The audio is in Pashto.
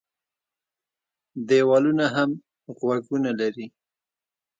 ـ دیوالونه هم غوږونه لري.